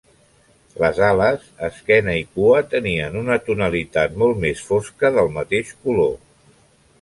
Les ales, esquena i cua tenien una tonalitat molt més fosca del mateix color.